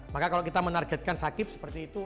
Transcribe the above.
maka kalau kita menargetkan sakit seperti itu